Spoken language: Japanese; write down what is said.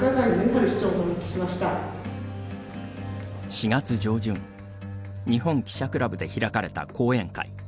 ４月上旬日本記者クラブで開かれた講演会。